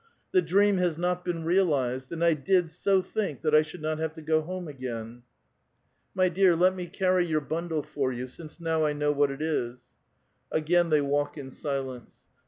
The dream has not been realized ; and I did so think that I should not have to go home again ! 99 110 A VITAL QUESTION. My dear, let me carry your bundle for you, since now I know wliat it la" Ai^ain they walk in silence.